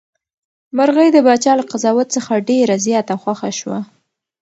مرغۍ د پاچا له قضاوت څخه ډېره زیاته خوښه شوه.